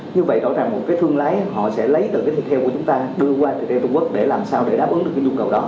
như vậy rõ ràng một cái thương lái họ sẽ lấy từ cái thịt heo của chúng ta đưa qua thịt heo trung quốc để làm sao để đáp ứng được cái nhu cầu đó